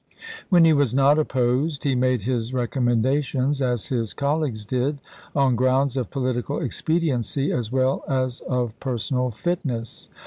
When he was not opposed he made his recommendations, as his colleagues did, on grounds of political expediency as well as of personal fitness.